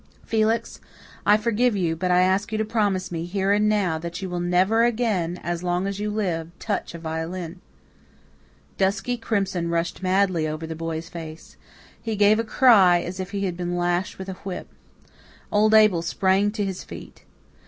"Felix, I forgive you, but I ask you to promise me, here and now, that you will never again, as long as you live, touch a violin." Dusky crimson rushed madly over the boy's face. He gave a cry as if he had been lashed with a whip. Old Abel sprang to his feet.